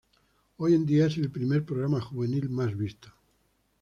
Hoy en día es el primer programa juvenil más visto.